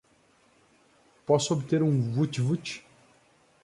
Posso obter um woot woot!?